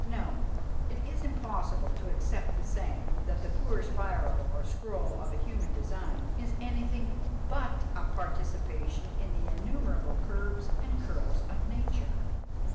No, it is impossible to accept the saying that the poor spiral or scroll of a human design is anything but a participation in the innumerable curves and curls of nature.